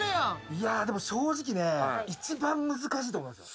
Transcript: いやでも正直ね一番難しいと思いますよ